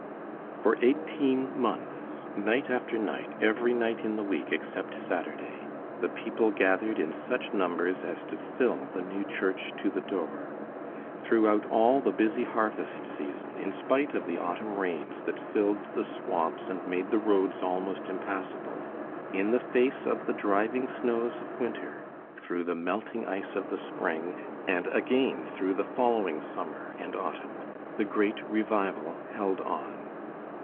For eighteen months, night after night, every night in the week except Saturday, the people gathered in such numbers as to fill the new church to the door. Throughout all the busy harvest season, in spite of the autumn rains that filled the swamps and made the roads almost impassable, in the face of the driving snows of winter, through the melting ice of the spring, and again through the following summer and autumn, the great revival held on.